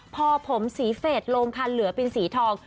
พอผมสีเฟสลงคันเหลือเป็นสีทอง